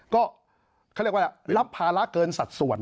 ก็เขาเรียกว่ารับภาระเกินสัดส่วน